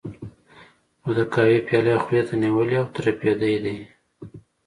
او د قهوې پياله یې خولې ته نیولې، اوتر اپرېدی دی.